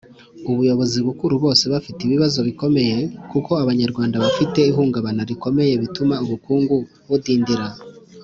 ubuyobozi bukuru bose bafite ibibazo bikomeye kuko abanyarwanda bafite ihungabana rikomeye bituma ubukungu budindira.